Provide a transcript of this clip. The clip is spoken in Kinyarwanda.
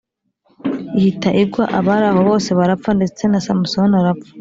ihita igwa abari aho bose barapfa ndetse na Samusoni arapfa